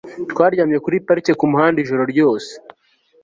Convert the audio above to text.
twaryamye kuri parike kumuhanda ijoro ryose